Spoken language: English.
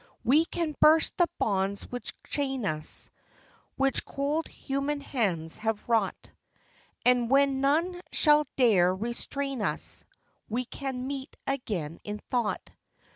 We can burst the bonds which chain us, Which cold human hands have wrought, And when none shall dare restrain u's We can meet again, in thought.